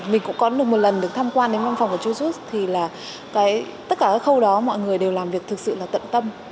mình cũng có được một lần được tham quan đến văn phòng của chujust thì là tất cả các khâu đó mọi người đều làm việc thực sự là tận tâm